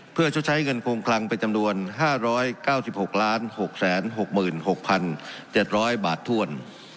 เพื่อชดใช้เงินคงคลังเป็นจำนวน๕๙๖๖๖๗๐๐บาทถ้วน